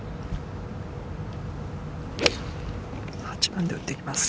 ８番で打っていきます。